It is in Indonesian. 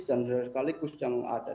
dan sekaligus yang ada